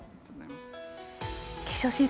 決勝進出